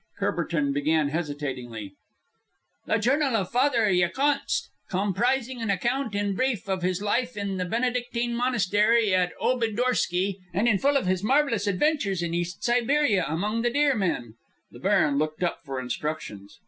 Courbertin began hesitatingly: "'_The Journal of Father Yakontsk, Comprising an Account in Brief of his Life in the Benedictine Monastery at Obidorsky, and in Full of his Marvellous Adventures in East Siberia among the Deer Men_.'" The baron looked up for instructions.